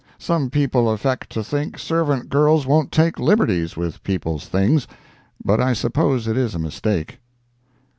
Some people affect to think servant girls won't take liberties with people's things, but I suppose it is a mistake.